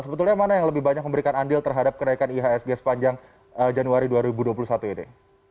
sebetulnya mana yang lebih banyak memberikan andil terhadap kenaikan ihsg sepanjang januari dua ribu dua puluh satu ini